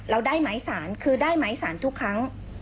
เราได้หมายสารคือได้หมายสารทุกครั้ง